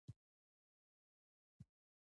هغه د فابریکې له مشر انجنیر سره خبرې وکړې